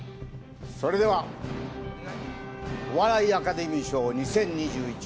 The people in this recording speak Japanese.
それではお笑いアカデミー賞２０２１